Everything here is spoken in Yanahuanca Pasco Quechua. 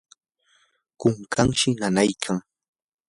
kunkanshi nanaykan.